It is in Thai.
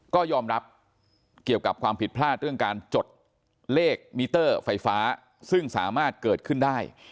ก็ยอมรับเกี่ยวกับความผิดพลาดเรื่องการจดเลขมิเตอร์ไฟฟ้าซึ่งสามารถเกิดขึ้นได้